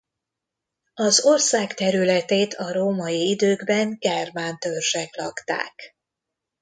Az ország területét a római időkben germán törzsek lakták.